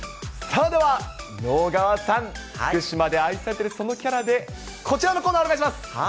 さあ、では直川さん、福島で愛されているそのキャラで、こちらのコーナーお願いします。